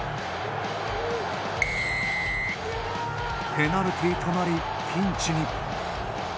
ペナルティーとなり、ピンチに。